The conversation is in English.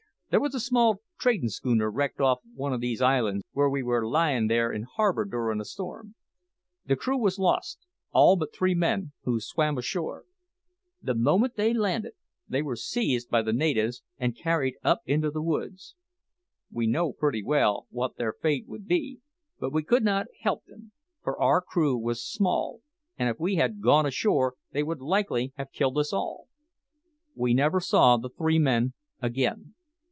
There was a small tradin' schooner wrecked off one of these islands when we were lyin' there in harbour during a storm. The crew was lost all but three men, who swam ashore. The moment they landed, they were seized by the natives and carried up into the woods. We knew pretty well what their fate would be; but we could not help them, for our crew was small, and if we had gone ashore they would likely have killed us all. We never saw the three men again.